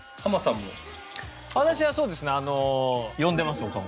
私はそうですね。